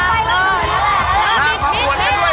ลากไปลากไป